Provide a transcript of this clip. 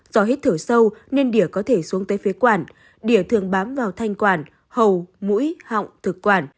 do hít thở sâu nên đỉa có thể xuống tới phế quản đỉa thường bám vào thanh quản hầu mũi họng thực quản